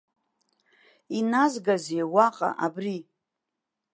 Иназгазеи уаҟа абри?